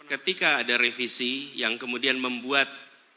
ketika ada revisi yang kemudian membuat